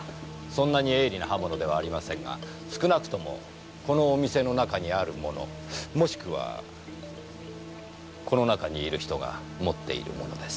そんなに鋭利な刃物ではありませんが少なくともこのお店の中にあるものもしくはこの中にいる人が持っているものです。